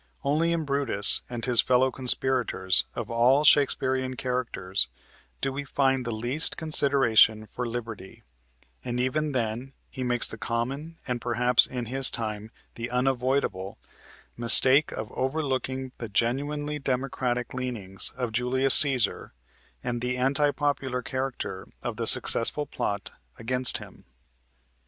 Only in Brutus and his fellow conspirators of all Shakespearian characters do we find the least consideration for liberty, and even then he makes the common, and perhaps in his time the unavoidable, mistake of overlooking the genuinely democratic leanings of Julius Cæsar and the anti popular character of the successful plot against him.